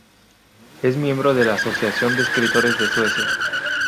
Es miembro de la Asociación de Escritores de Suecia.